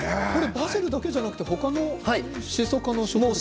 バジルだけではなくて他のシソ科の植物も？